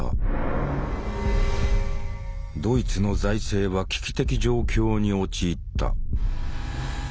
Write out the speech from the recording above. ドイツの財政は危機的状況に陥った。